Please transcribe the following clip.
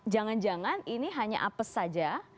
jangan jangan ini hanya apes saja